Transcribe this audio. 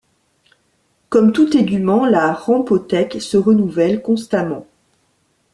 Comme tout tégument, la rhamphothèque se renouvelle constamment.